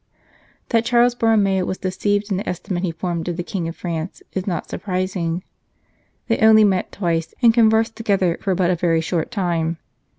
That Charles Borromeo was deceived in the estimate he formed of the King of France is not surprising. They only met twice, and conversed together for but a very short time.